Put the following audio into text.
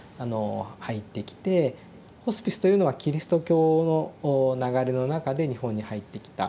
ホスピスというのはキリスト教の流れの中で日本に入ってきたもの。